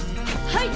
はい！